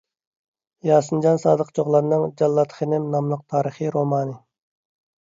ياسىنجان سادىق چوغلاننىڭ «جاللات خېنىم» ناملىق تارىخىي رومانى